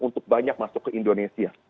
untuk banyak masuk ke indonesia